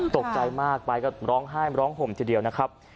ตกใจมากไปก็ร้องไห้ร้องห่มทีเดียวนะครับ